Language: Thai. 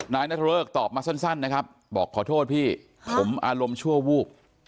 นายนัทเริกตอบมาสั้นนะครับบอกขอโทษพี่ผมอารมณ์ชั่ววูบ